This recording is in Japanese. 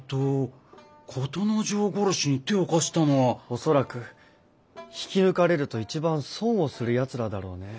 恐らく引き抜かれると一番損をするやつらだろうね。